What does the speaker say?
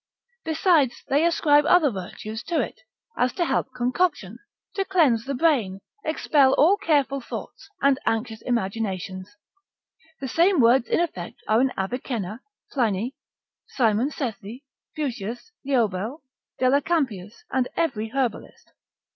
Besides they ascribe other virtues to it, as to help concoction, to cleanse the brain, expel all careful thoughts, and anxious imaginations: the same words in effect are in Avicenna, Pliny, Simon Sethi, Fuchsius, Leobel, Delacampius, and every herbalist.